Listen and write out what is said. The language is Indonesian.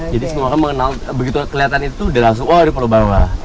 jadi semua orang mengenal begitu kelihatan itu udah langsung wah ada pulau bawah